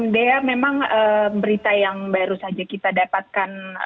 dea memang berita yang baru saja kita dapatkan